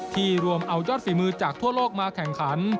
ที่รวมเอายอดฝีมือจากทั่วโลกมาแข่งขัน